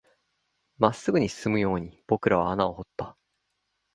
真っ直ぐに進むように僕らは穴を掘った